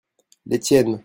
les tiennes.